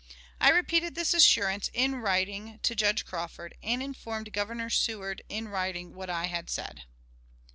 I repeated this assurance in writing to Judge Crawford, and informed Governor Seward in writing what I had said."